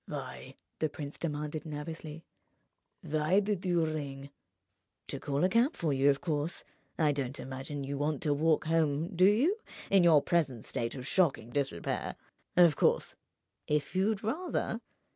"Why," the prince demanded, nervously—"why did you ring?" "To call a cab for you, of course. I don't imagine you want to walk home—do you?—in your present state of shocking disrepair. Of course, if you'd rather